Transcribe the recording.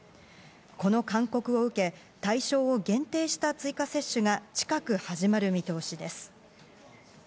この勧告を受け、対象を限定した追加接種が近く始まる見通しです。